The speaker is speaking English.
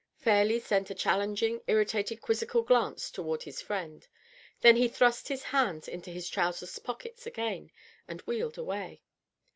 Fairleigh sent a challenging, irritated, quizzical glance toward his friend. Then he thrust his hands into his trousers' pockets again, and wheeled away.